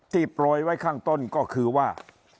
ที่ปล่อยไว้ข้างต้นก็คือว่า